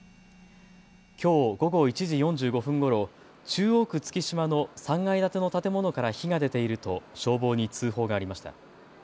きょう午後１時４５分ごろ中央区月島の３階建ての建物から火が出ていると消防に通報がありました。